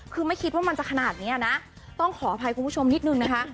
คือไม่คิดว่ามันจะขนาดนี้นะต้องขออภัยคุณผู้ชมนิดนึงนะคะ